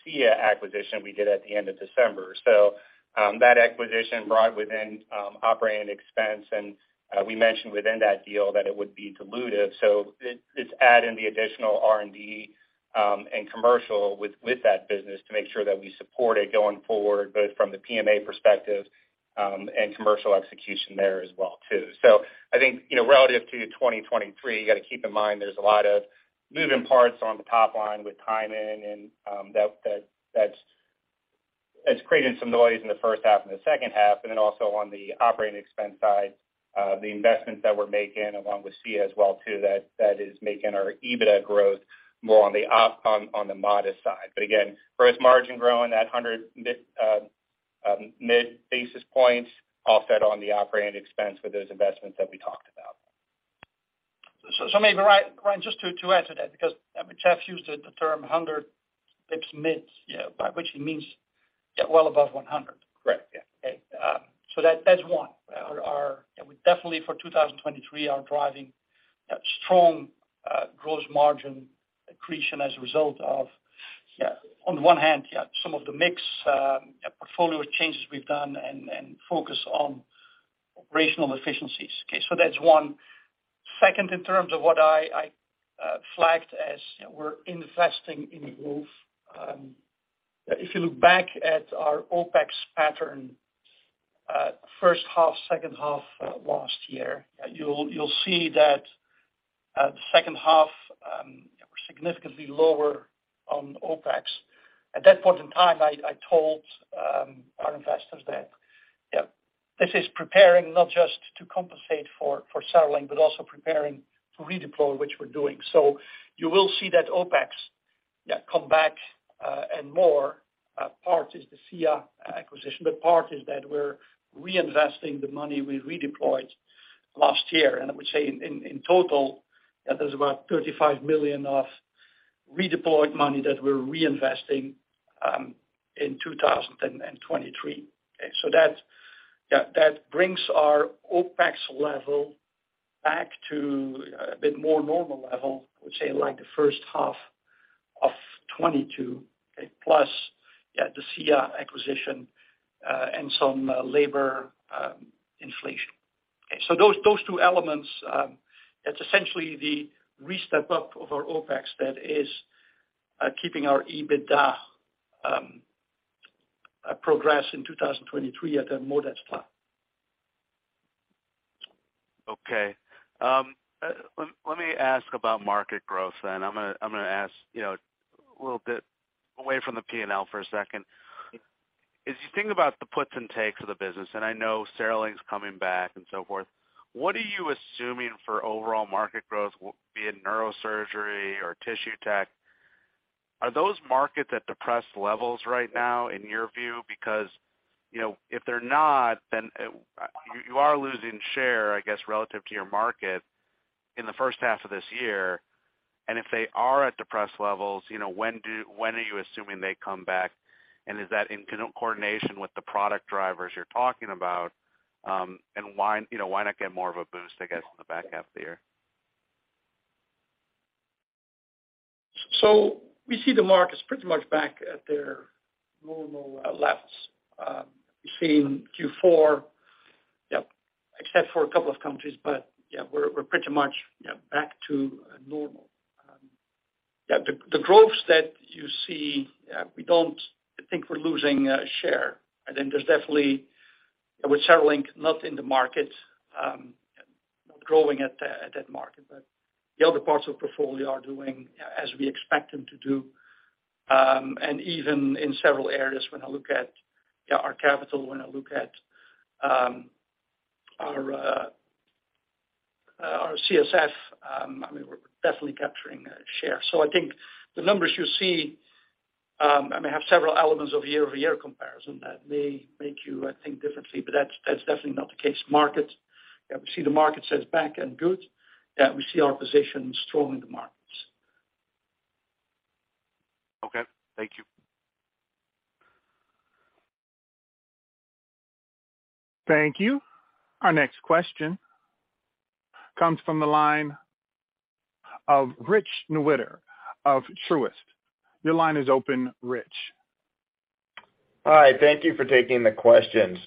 SIA acquisition we did at the end of December. That acquisition brought within operating expense, and we mentioned within that deal that it would be dilutive. It's adding the additional R&D and commercial with that business to make sure that we support it going forward, both from the PMA perspective and commercial execution there as well too. I think, you know, relative to 2023, you gotta keep in mind there's a lot of moving parts on the top line with timing and that's creating some noise in the first half and the second half, and then also on the operating expense side, the investments that we're making along with SIA as well too, that is making our EBITDA growth more on the modest side. Again, gross margin growing at 100 mid basis points offset on the operating expense with those investments that we talked about. Maybe, Ryan, just to add to that, because, I mean, Jeff used the term 100 basis points mid, yeah, by which he means, yeah, well above 100. Correct. Yeah. Okay. That's one. We definitely for 2023 are driving strong gross margin accretion as a result of on one hand some of the mix portfolio changes we've done and focus on operational efficiencies. That's one. Second, in terms of what I flagged as we're investing in growth, if you look back at our OpEx pattern, first half, second half last year, you'll see that the second half were significantly lower on OpEx. At that point in time, I told our investors that this is preparing not just to compensate for Sterling, but also preparing to redeploy, which we're doing. You will see that OpEx come back, and more, part is the SIA acquisition, but part is that we're reinvesting the money we redeployed last year. I would say in total, there's about $35 million of redeployed money that we're reinvesting in 2023. That brings our OpEx level back to a bit more normal level, I would say like the first half of 2022, plus the SIA acquisition and some labor inflation. Those two elements, that's essentially the re-step-up of our OpEx that is keeping our EBITDA progress in 2023 at a modest time. Okay. Let me ask about market growth then. I'm gonna ask, you know, a little bit away from the P&L for a second. As you think about the puts and takes of the business, and I know CereLink's coming back and so forth, what are you assuming for overall market growth, be it neurosurgery or tissue tech? Are those markets at depressed levels right now in your view? You know, if they're not, then you are losing share, I guess, relative to your market in the first half of this year. If they are at depressed levels, you know, when are you assuming they come back? Is that in coordination with the product drivers you're talking about? Why, you know, why not get more of a boost, I guess, in the back half of the year? We see the markets pretty much back at their normal levels, we see in Q4, except for a couple of countries, we're pretty much back to normal. The growths that you see, we don't think we're losing share. I think there's definitely with Sterling not in the market, not growing at that market, but the other parts of the portfolio are doing as we expect them to do. Even in several areas when I look at our capital, when I look at our CSF, I mean, we're definitely capturing share. I think the numbers you see, I mean, have several elements of year-over-year comparison that may make you think differently, but that's definitely not the case. Market, yeah, we see the market as back and good. Yeah, we see our position strong in the markets. Okay. Thank you. Thank you. Our next question comes from the line of Richard Newitter of Truist. Your line is open, Rich. Hi. Thank you for taking the questions.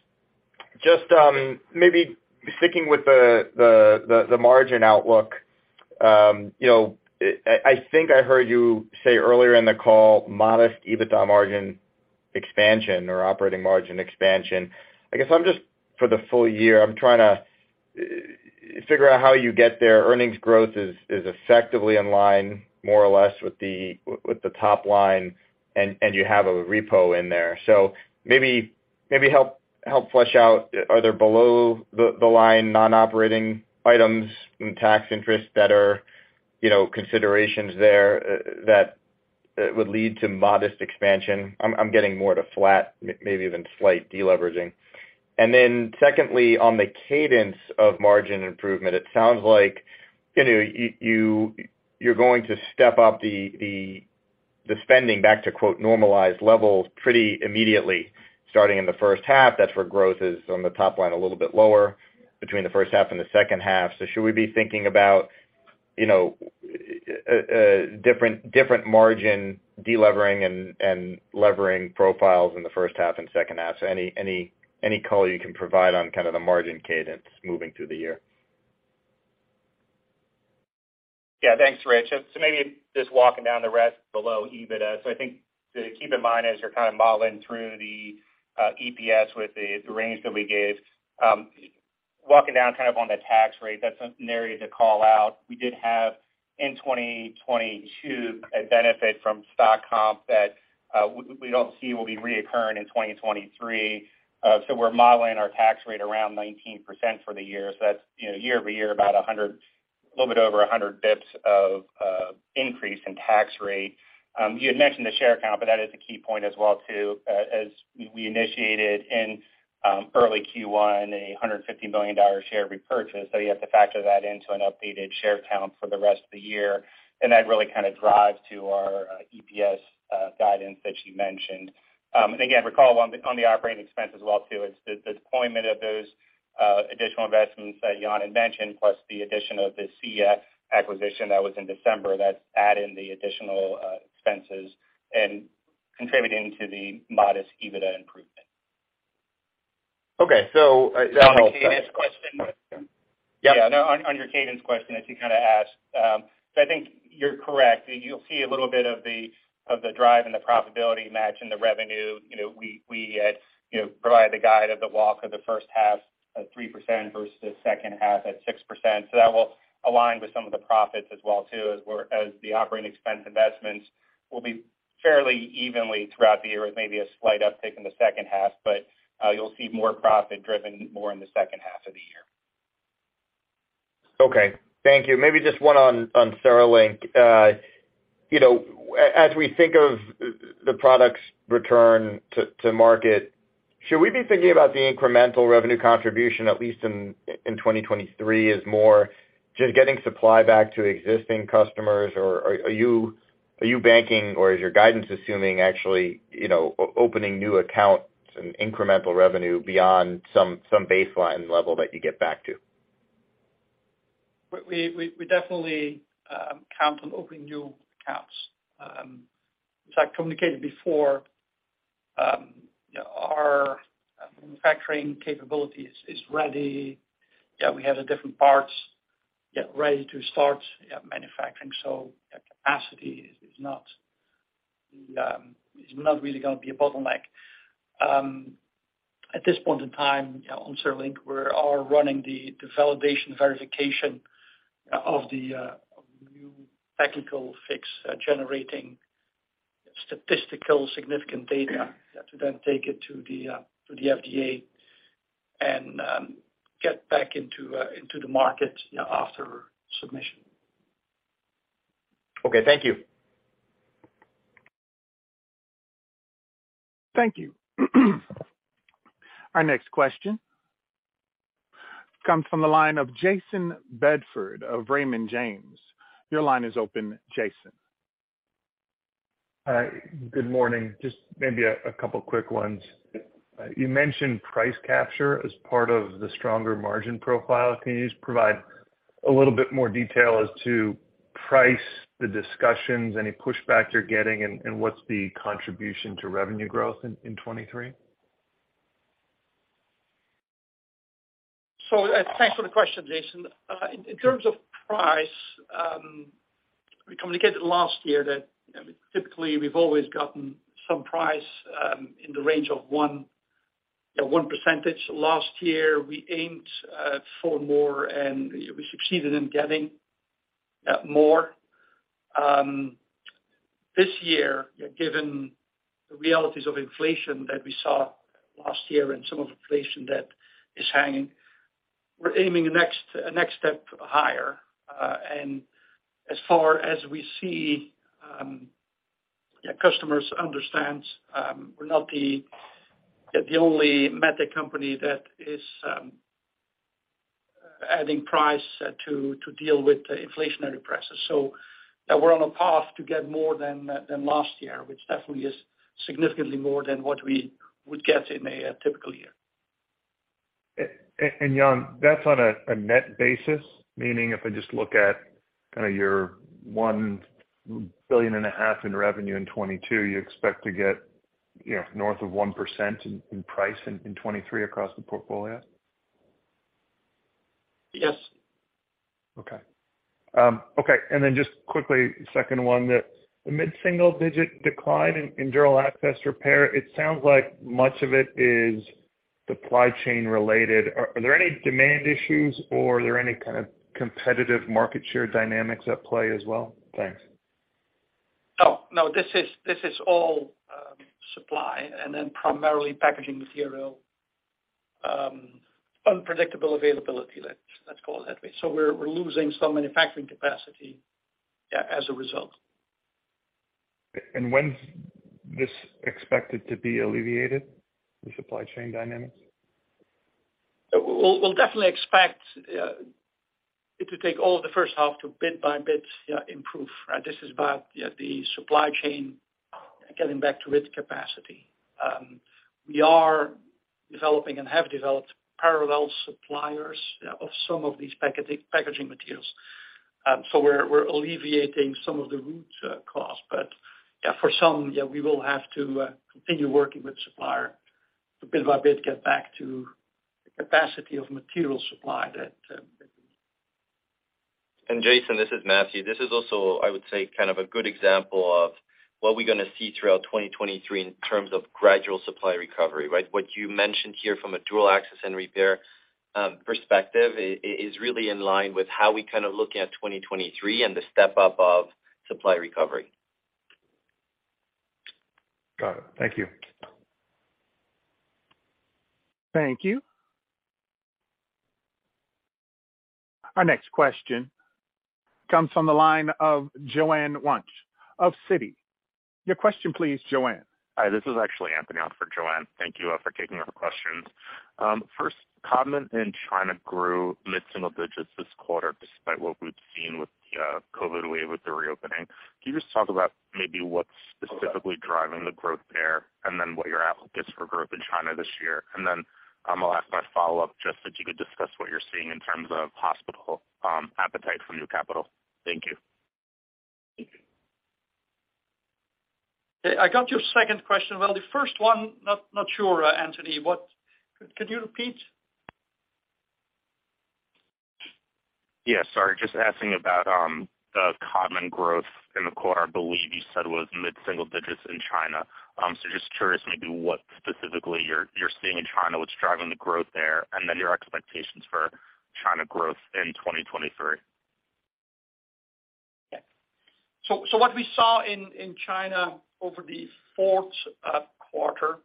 Just maybe sticking with the margin outlook, you know, I think I heard you say earlier in the call modest EBITDA margin expansion or operating margin expansion. I guess I'm just for the full year, I'm trying to figure out how you get there. Earnings growth is effectively in line more or less with the top line and you have a repo in there. Maybe help flesh out are there below the line non-operating items and tax interests that are, you know, considerations there, that would lead to modest expansion? I'm getting more to flat, maybe even slight deleveraging. Secondly, on the cadence of margin improvement, it sounds like, you know, you're going to step up the spending back to quote normalized levels pretty immediately starting in the first half. That's where growth is on the top line a little bit lower between the first half and the second half. Should we be thinking about, you know, a different margin delevering and levering profiles in the first half and second half? Any color you can provide on kind of the margin cadence moving through the year? Yeah. Thanks, Rich. Maybe just walking down the rest below EBITDA. I think to keep in mind as you're kind of modeling through the EPS with the range that we gave, walking down kind of on the tax rate, that's an area to call out. We did have in 2022 a benefit from stock comp that we don't see will be reoccurring in 2023. We're modeling our tax rate around 19% for the year. That's, you know, year-over-year about 100, a little bit over 100 basis points of increase in tax rate. You had mentioned the share count, but that is a key point as well too. as we initiated in early Q1 a $150 million share repurchase. You have to factor that into an updated share count for the rest of the year, and that really kind of drives to our EPS guidance that you mentioned. Again, recall on the operating expense as well too is the deployment of those additional investments that Jan had mentioned, plus the addition of the SIA acquisition that was in December that's adding the additional expenses and contributing to the modest EBITDA improvement. Okay. On the cadence question. Yeah. Yeah, no. On your cadence question, as you kind of asked, I think you're correct. You'll see a little bit of the drive and the profitability match and the revenue. You know, we had, you know, provided the guide of the walk of the first half at 3% versus second half at 6%. That will align with some of the profits as well too, as the OpEx investments will be fairly evenly throughout the year with maybe a slight uptick in the second half. You'll see more profit driven more in the second half of the year. Okay. Thank you. Maybe just one on SteriLink. you know, as we think of the products return to market, should we be thinking about the incremental revenue contribution at least in 2023 as more just getting supply back to existing customers or are you banking or is your guidance assuming actually, you know, opening new accounts and incremental revenue beyond some baseline level that you get back to? We definitely count on opening new accounts. As I communicated before, our manufacturing capabilities is ready. Yeah, we have the different parts, ready to start manufacturing. Capacity is not really gonna be a bottleneck. At this point in time on SteriLink, we are running the validation verification of the new technical fix, generating statistical significant data to then take it to the FDA and get back into the market, you know, after submission. Okay. Thank you. Thank you. Our next question comes from the line of Jayson Bedford of Raymond James. Your line is open, Jason. Hi. Good morning. Just maybe a couple quick ones. You mentioned price capture as part of the stronger margin profile. Can you just provide a little bit more detail as to price, the discussions, any pushback you're getting, and what's the contribution to revenue growth in 23? Thanks for the question, Jayson. In terms of price, we communicated last year that typically we've always gotten some price in the range of 1%. Last year, we aimed for more, and we succeeded in getting more. This year, given the realities of inflation that we saw last year and some of inflation that is hanging, we're aiming next step higher. As far as we see, customers understand, we're not the only med tech company that is adding price to deal with the inflationary prices. We're on a path to get more than last year, which definitely is significantly more than what we would get in a typical year. Jan, that's on a net basis, meaning if I just look at kinda your $1.5 billion in revenue in 2022, you expect to get, you know, north of 1% in price in 2023 across the portfolio? Yes. Okay. Okay, then just quickly, second one, the mid-single digit decline in dural access repair, it sounds like much of it is supply chain related. Are there any demand issues, or are there any kind of competitive market share dynamics at play as well? Thanks. Oh, no. This is all, supply, and then primarily packaging material, unpredictable availability. Let's call it that way. We're losing some manufacturing capacity, yeah, as a result. When's this expected to be alleviated, the supply chain dynamics? We'll definitely expect it to take all of the first half to bit by bit improve. This is about the supply chain getting back to its capacity. We are developing and have developed parallel suppliers of some of these packaging materials. We're alleviating some of the roots cause. For some, we will have to continue working with supplier to bit by bit get back to the capacity of material supply that. Jayson, this is Matthew. This is also, I would say, kind of a good example of what we're going to see throughout 2023 in terms of gradual supply recovery, right? What you mentioned here from a dual access and repair perspective is really in line with how we kind of look at 2023 and the step up of supply recovery. Got it. Thank you. Thank you. Our next question comes from the line of Joanne Wuensch of Citi. Your question please, Joanne. Hi, this is actually Anthony on for Joanne. Thank you for taking our questions. First, Codman in China grew mid-single digits this quarter, despite what we've seen with the COVID wave with the reopening. Can you just talk about maybe what's specifically driving the growth there, and then what your outlook is for growth in China this year? I'll ask my follow-up just that you could discuss what you're seeing in terms of hospital appetite for new capital. Thank you. I got your second question. Well, the first one, not sure, Anthony. Could you repeat? Yeah, sorry. Just asking about the Codman growth in the quarter. I believe you said was mid-single digits in China. Just curious maybe what specifically you're seeing in China, what's driving the growth there, and then your expectations for China growth in 2023. Okay. What we saw in China over the fourth quarter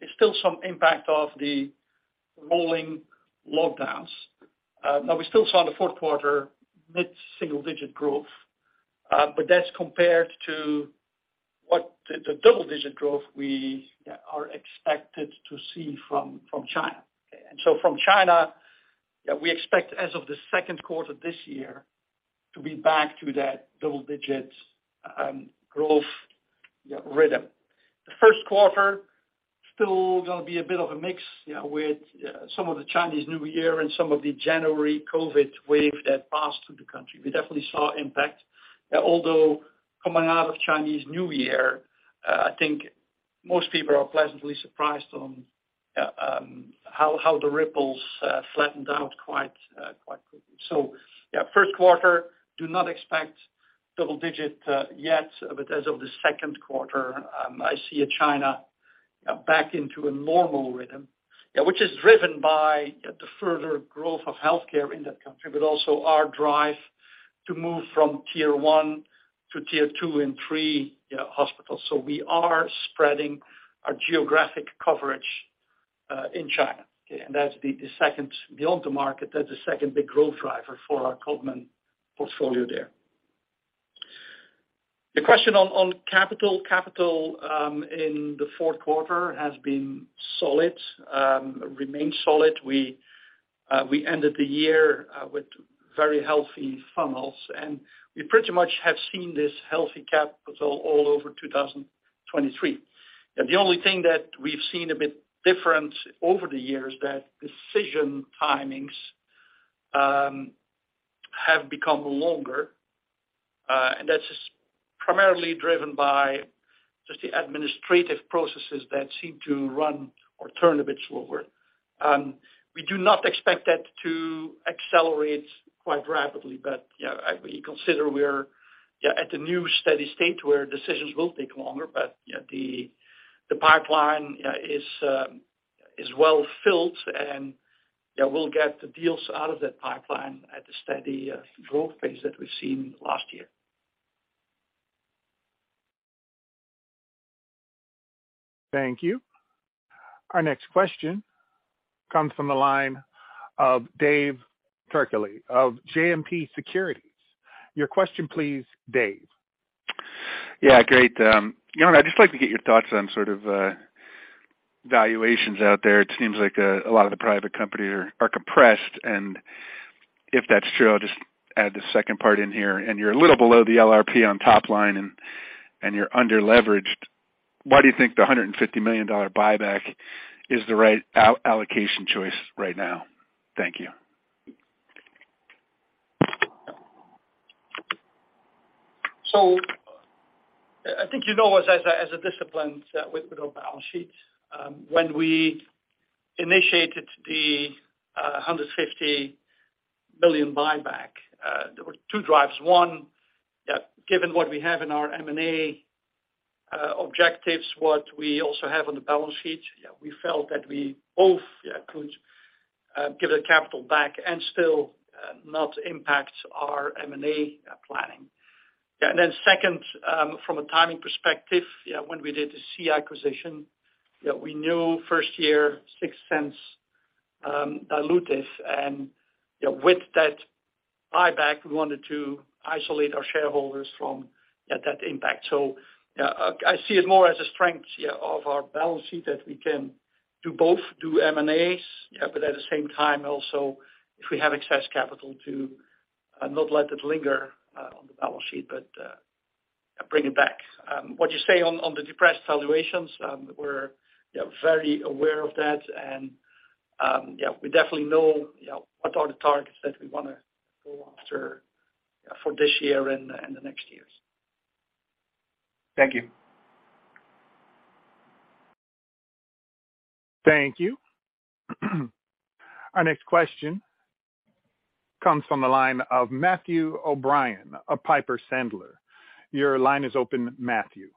is still some impact of the rolling lockdowns. Now we still saw in the fourth quarter mid-single digit growth, that's compared to what the double-digit growth we are expected to see from China. From China, we expect as of the second quarter of this year to be back to that double digits growth rhythm. The first quarter still gonna be a bit of a mix with some of the Chinese New Year and some of the January COVID wave that passed through the country. We definitely saw impact. Although coming out of Chinese New Year, I think most people are pleasantly surprised on how the ripples flattened out quite quickly. First quarter do not expect double digit yet, but as of the second quarter, I see China back into a normal rhythm. Which is driven by the further growth of healthcare in that country, but also our drive to move from tier one to tier two and three hospitals. We are spreading our geographic coverage in China. That's the second beyond the market, that's the second big growth driver for our Codman portfolio there. The question on capital. Capital in the fourth quarter has been solid, remains solid. We ended the year with very healthy funnels, and we pretty much have seen this healthy capital all over 2023.The only thing that we've seen a bit different over the years that decision timings have become longer, that's primarily driven by just the administrative processes that seem to run or turn a bit slower. We do not expect that to accelerate quite rapidly, we consider we're at the new steady state where decisions will take longer. You know, the pipeline is well filled, we'll get the deals out of that pipeline at a steady growth pace that we've seen last year. Thank you. Our next question comes from the line of David Turkaly of JMP Securities. Your question please, Dave. Yeah. Great. Jan, I'd just like to get your thoughts on sort of valuations out there. It seems like a lot of the private companies are compressed, and if that's true, I'll just add the second part in here. You're a little below the LRP on top line and you're under-leveraged. Why do you think the $150 million buyback is the right all-allocation choice right now? Thank you. I think you know us as a discipline with our balance sheets. When we initiated the $150 million buyback, there were two drivers. One, given what we have in our M&A objectives, what we also have on the balance sheet, we felt that we both could give the capital back and still not impact our M&A planning. Second, from a timing perspective, when we did the SIA acquisition, we knew first year $0.06 dilutive. With that buyback, we wanted to isolate our shareholders from that impact. I see it more as a strength of our balance sheet that we can do both, do M&As. At the same time also, if we have excess capital, to not let it linger on the balance sheet, but bring it back. What you say on the depressed valuations, we're, yeah, very aware of that. Yeah, we definitely know, yeah, what are the targets that we wanna go after, yeah, for this year and the, and the next years. Thank you. Thank you. Our next question comes from the line of Matthew O'Brien of Piper Sandler. Your line is open, Matthew.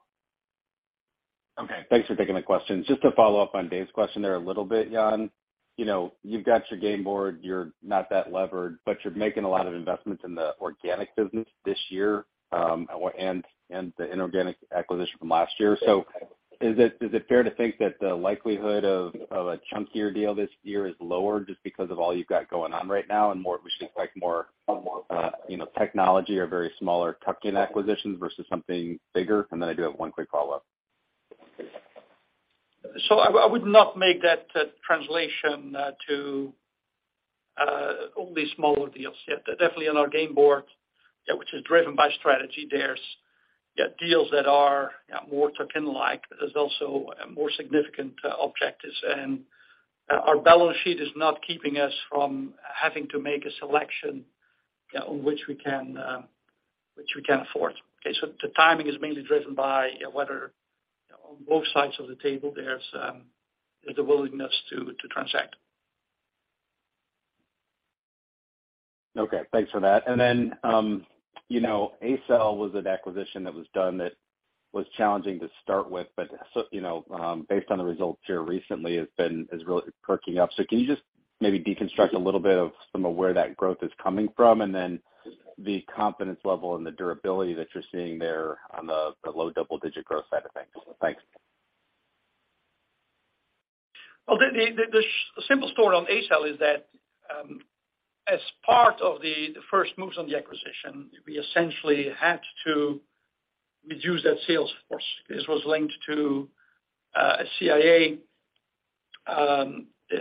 Okay. Thanks for taking the question. Just to follow up on Dave's question there a little bit, Jan. You know, you've got your Game Board, you're not that levered, but you're making a lot of investments in the organic business this year, and the inorganic acquisition from last year. Is it fair to think that the likelihood of a chunkier deal this year is lower just because of all you've got going on right now, we should expect more, you know, technology or very smaller tuck-in acquisitions versus something bigger? I do have one quick follow-up. I would not make that translation to only smaller deals. Definitely on our game board, which is driven by strategy, there's deals that are more tuck-in like. There's also more significant objectives. Our balance sheet is not keeping us from having to make a selection on which we can which we can afford. Okay. The timing is mainly driven by whether on both sides of the table there's a willingness to transact. Okay, thanks for that. You know, ACell was an acquisition that was done that was challenging to start with, but so, you know, based on the results here recently, is really perking up. Can you just maybe deconstruct a little bit of some of where that growth is coming from, and then the confidence level and the durability that you're seeing there on the low double-digit growth side effect? Thanks. The simple story on ACell is that, as part of the first moves on the acquisition, we essentially had to reduce that sales force. This was linked to a CIA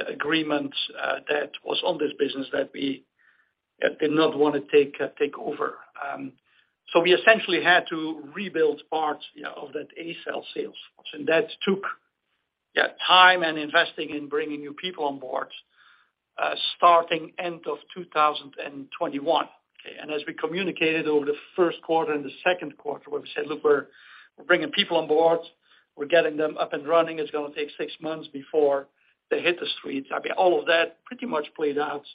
agreement that was on this business that we did not wanna take over. We essentially had to rebuild parts, yeah, of that ACell sales force. That took, yeah, time and investing in bringing new people on board, starting end of 2021. Okay. As we communicated over the first quarter and the second quarter, where we said, "Look, we're bringing people on board, we're getting them up and running. It's gonna take six months before they hit the streets. I mean, all of that pretty much played out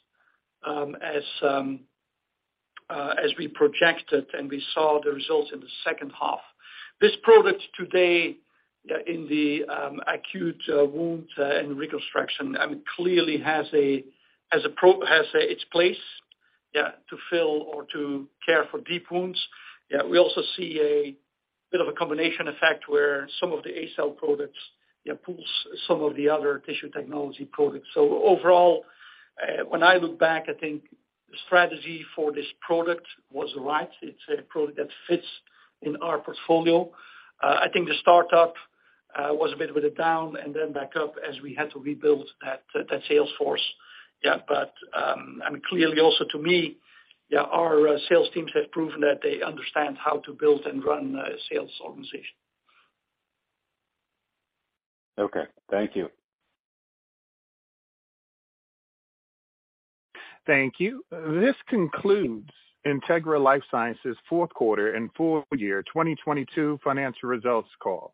as we projected, and we saw the results in the second half. This product today, yeah, in the acute wound and reconstruction clearly has its place, yeah, to fill or to care for deep wounds. Yeah, we also see a bit of a combination effect where some of the ACell products, yeah, pulls some of the other tissue technology products. Overall, when I look back, I think the strategy for this product was right. It's a product that fits in our portfolio. I think the startup was a bit of a down and then back up as we had to rebuild that sales force. Yeah, I mean, clearly also to me, yeah, our sales teams have proven that they understand how to build and run a sales organization. Okay. Thank you. Thank you. This concludes Integra LifeSciences' fourth quarter and full year 2022 financial results call.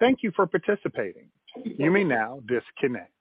Thank you for participating. You may now disconnect.